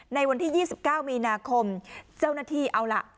ในวันที่ยี่สิบเก้ามีนาคมเจ้าหน้าที่เอาล่ะ